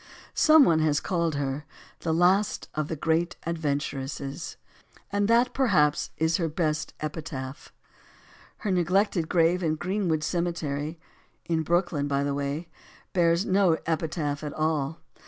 Some one has called her "the last of the great adventuresses." And that is perhaps her best epitaph. Her neglected grave in Greenwood Cemetery, in Brooklyn, by the way bears no epitaph at all.